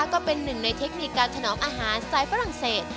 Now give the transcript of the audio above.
ก็เป็นหนึ่งในเทคนิคการถนอมอาหารสไตล์ฝรั่งเศส